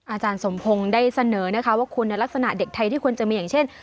อาจารย์สมพงศ์ได้เสนอนะคะว่าคุณลักษณะเด็กไทยที่ควรจะมีอย่างเช่น